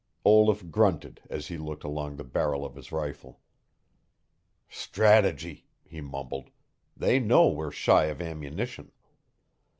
Olaf grunted as he looked along the barrel of his rifle. "Strategy," he mumbled. "They know we're shy of ammunition."